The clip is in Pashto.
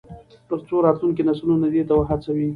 تر څو راتلونکي نسلونه دې ته وهڅوي.